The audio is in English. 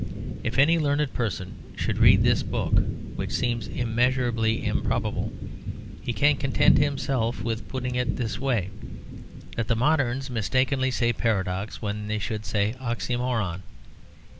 If any learned person should read this book (which seems immeasurably improbable) he can content himself with putting it this way, that the moderns mistakenly say paradox when they should say oxymoron.